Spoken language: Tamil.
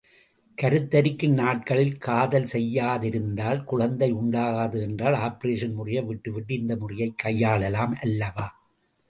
கருத்தரிக்கும் நாட்களில் காதல் செய்யாதிருக்தால் குழந்தை உண்டாகாது என்றால் ஆப்பரேஷன் முறையை விட்டுவிட்டு இந்த முறையைக் கையாளலாம் அல்லவா?